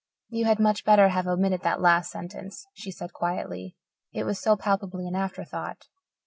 "You had much better to have omitted that last sentence," she said quietly, "it was so palpably an afterthought.